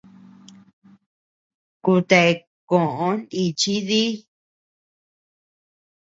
Kuta koʼo nichi dii.